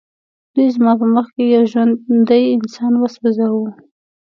دوی زما په مخ کې یو ژوندی انسان وسوځاوه